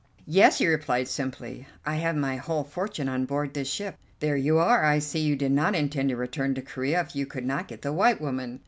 "Yes," he replied simply, "I have my whole fortune on board this ship." "There you are. I see you did not intend to return to Corea if you could not get the white woman."